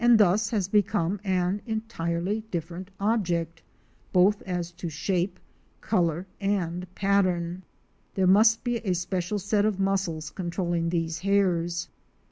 thus has become an entirely different object, both as to shape, color and pattern. There must be a special set of muscles controlling these hairs.